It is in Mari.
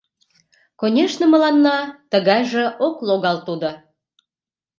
Конешне, мыланна тыгайже ок логал тудо.